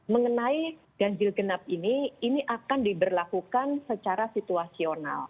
mengenai ganjil genap ini ini akan diberlakukan secara situasional